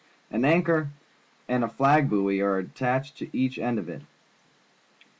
An anchor and a flag buoy are attached to each end of it.